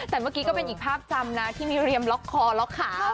แต่เมื่อกี้ก็เป็นอีกภาพจำนะที่มีเรียมล็อกคอล็อกขา